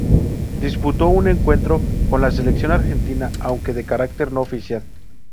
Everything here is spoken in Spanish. Disputó un encuentro con la Selección Argentina, aunque de carácter no oficial.